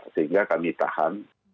sehingga kami tahan